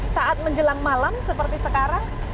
saat menjelang malam seperti sekarang